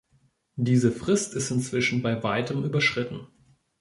Diese Frist ist inzwischen bei weitem überschritten.